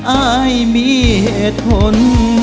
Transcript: อายมีเหตุผล